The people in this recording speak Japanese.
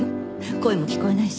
声も聞こえないし。